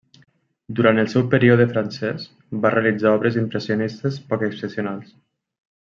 Durant el seu període francès va realitzar obres impressionistes poc excepcionals.